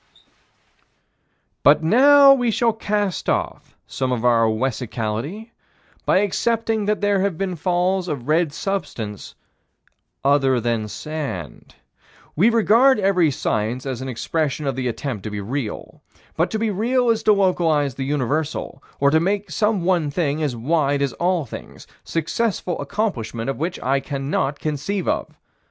But now we shall cast off some of our own wessicality by accepting that there have been falls of red substance other than sand. We regard every science as an expression of the attempt to be real. But to be real is to localize the universal or to make some one thing as wide as all things successful accomplishment of which I cannot conceive of.